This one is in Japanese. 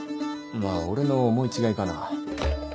まあ俺の思い違いかな。